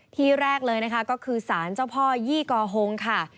ที่แรกเลยนะคะก็คือสารเจ้าพ่อยี่กอฮงค่ะ